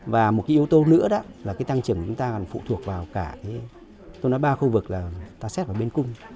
và một yếu tố nữa là tăng trưởng chúng ta còn phụ thuộc vào cả ba khu vực là ta xét vào bên cung